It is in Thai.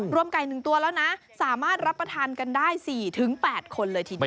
รวมไก่หนึ่งตัวแล้วนะสามารถรับประทานกันได้สี่ถึงแปดคนเลยทีนี้